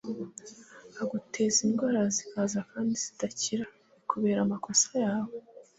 aguteze indwara zikaze kandi zidakira lkubera amakosa yawe